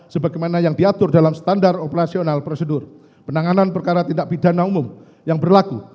sebagaimana yang diatur dalam standar operasional prosedur penanganan perkara tindak pidana umum yang berlaku